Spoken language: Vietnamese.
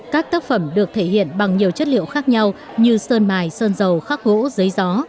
các tác phẩm được thể hiện bằng nhiều chất liệu khác nhau như sơn mài sơn dầu khắc gỗ giấy gió